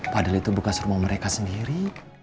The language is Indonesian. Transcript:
padahal itu bekas rumah mereka sendiri